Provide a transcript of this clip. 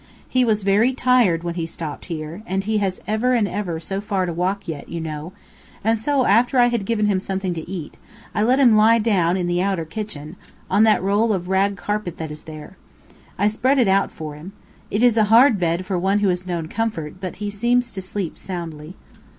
He was very tired when he stopped here, and he has ever and ever so far to walk yet, you know, and so after I had given him something to eat, I let him lie down in the outer kitchen, on that roll of rag carpet that is there. I spread it out for him. It is a hard bed for one who has known comfort, but he seems to sleep soundly."